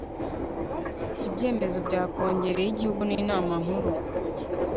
ibyemezo bya Kongere y igihugu n Inama Nkuru